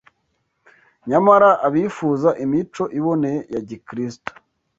Nyamara abifuza imico iboneye ya Gikristo